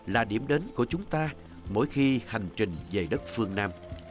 là điểm đến của chúng ta mỗi khi hành trình về đất phương nam